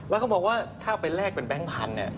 แล้วเขาบอกว่าถ้าไปแลกเป็นแบงค์พันธุ์เนี่ย